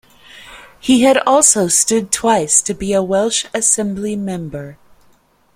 He had also stood twice to be a Welsh Assembly Member.